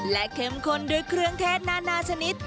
และเข้มข้นด้วยเครื่องเทศนานาชนิด